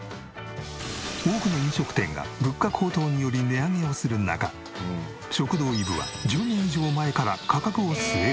多くの飲食店が物価高騰により値上げをする中食堂いぶは１０年以上前から価格を据え置き。